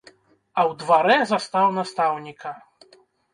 А ў дварэ застаў настаўніка.